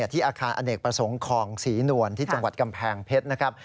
ที่อาคารอเนกประสงค์คลองศรีนวลที่จังหวัดกำแพงเพชรนะครับ